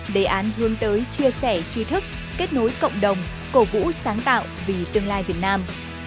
đề án hướng tới chia sẻ chi thức kết nối cộng đồng cổ vũ sáng tạo vì tương lai việt nam